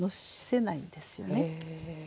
へえ。